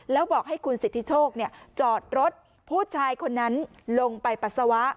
แล้วบอกให้คุณสิทธิโชคจอดรถผู้ชายคนนั้นลงไปปัสสาวะ